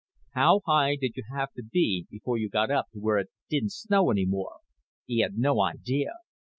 How high did you have to be before you got up where it didn't snow any more? He had no idea.